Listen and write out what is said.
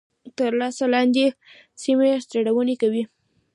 تر لاس لاندي سیمي سرغړوني کوي.